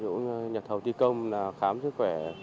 chủ tư sẽ yêu cầu nhật thầu thi công khám sức khỏe